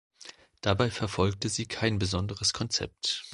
Dabei verfolgte sie kein besonderes Konzept.